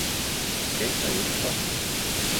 Skab dig ikke, barn